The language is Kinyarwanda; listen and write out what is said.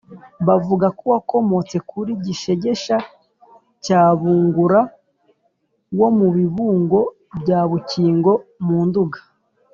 bavuga ko wakomotse kuri gishegesha cya bungura wo mu bibungo bya mukingo mu nduga,